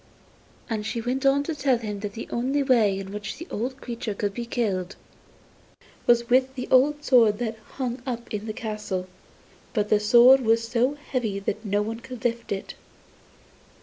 And she went on to tell him that the only way in which the old creature could be killed was with the sword that hung up in the castle; but the sword was so heavy that no one could lift it.